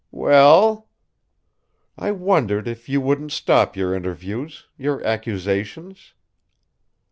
"Well?" "I wondered if you wouldn't stop your interviews your accusations?"